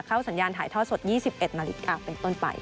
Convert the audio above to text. สัญญาณถ่ายทอดสด๒๑นาฬิกาเป็นต้นไป